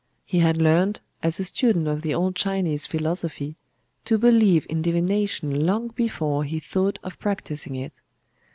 He had learned, as a student of the old Chinese philosophy, to believe in divination long before he thought of practising it.